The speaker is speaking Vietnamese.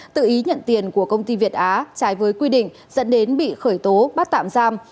tự ý nhận tiền của công ty việt á trái với quy định dẫn đến bị khởi tố bắt tạm giam